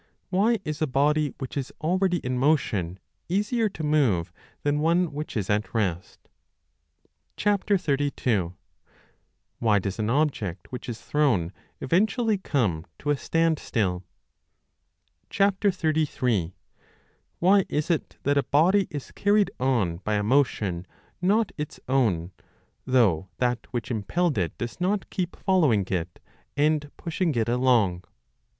Why is a body which is already in motion easier to move than one which is at rest ? 32. Why does an object which is thrown eventually come to a standstill : 33. Why is it that a body is carried on by a motion not its own, though that which impelled it does not keep following it and pushing it along